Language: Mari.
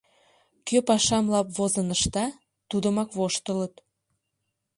Кӧ пашам лап возын ышта — тудымак воштылыт.